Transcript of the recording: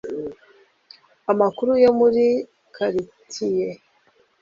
amakuru yo muri karitiye